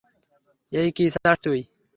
এই কী চাস তুই?